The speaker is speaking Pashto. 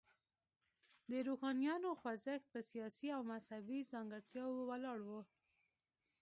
د روښانیانو خوځښت په سیاسي او مذهبي ځانګړتیاوو ولاړ و.